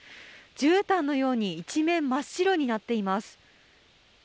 じゅうたんのように一面真っ白になっています。